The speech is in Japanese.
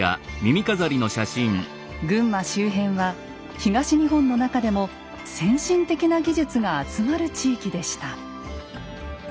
群馬周辺は東日本の中でも先進的な技術が集まる地域でした。